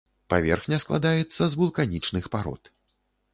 Паверхня складаецца з вулканічных парод.